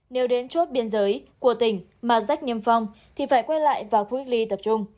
nếu đến chốt biên giới của tỉnh mà rách niêm phong thì phải quay lại vào khu cách ly tập trung